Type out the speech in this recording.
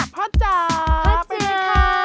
พระจ๋าเป็นที่ค้า